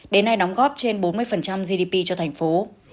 đến nay đóng góp trên bốn mươi gdp cho thành phố